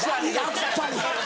やっぱり！